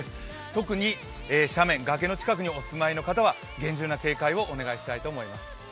特に斜面、崖の近くにお住まいの方は厳重な警戒をお願いしたいと思います。